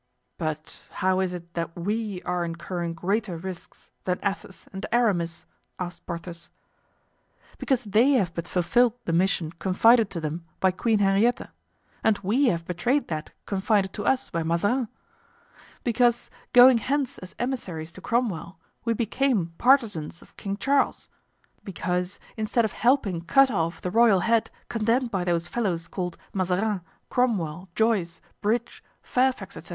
'" "But how is it that we are incurring greater risks than Athos and Aramis?" asked Porthos. "Because they have but fulfilled the mission confided to them by Queen Henrietta and we have betrayed that confided to us by Mazarin; because, going hence as emissaries to Cromwell, we became partisans of King Charles; because, instead of helping cut off the royal head condemned by those fellows called Mazarin, Cromwell, Joyce, Bridge, Fairfax, etc.